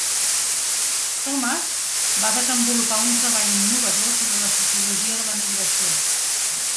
Thomas va desenvolupar un treball innovador sobre la sociologia de la migració.